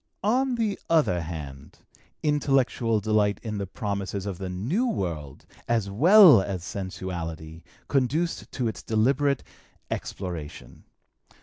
On the other hand, intellectual delight in the promises of the new world, as well as sensuality, conduced to its deliberate exploration.